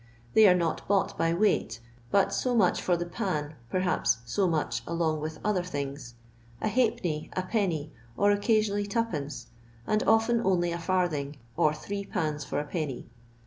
They are not bought by weight, but so much for the pan, perhaps se much along with other things; a halfpenny, a penny, or occasionally two pence, and often only a farthing, or three pans for a penny.